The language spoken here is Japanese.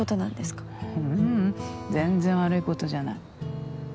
ううん。全然悪いことじゃない。